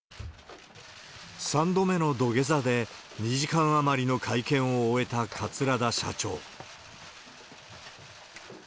３度目の土下座で２時間余りの会見を終えた桂田社長。